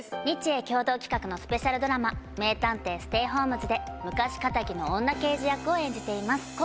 日英共同企画のスペシャルドラマ『名探偵ステイホームズ』で昔かたぎの女刑事役を演じています。